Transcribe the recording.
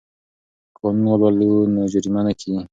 که قانون ولولو نو جریمه نه کیږو.